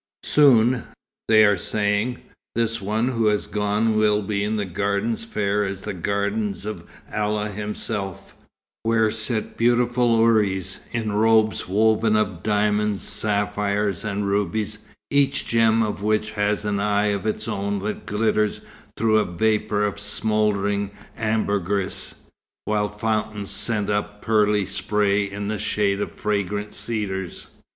Soon, they are saying, this one who has gone will be in gardens fair as the gardens of Allah Himself, where sit beautiful houris, in robes woven of diamonds, sapphires, and rubies, each gem of which has an eye of its own that glitters through a vapour of smouldering ambergris, while fountains send up pearly spray in the shade of fragrant cedars."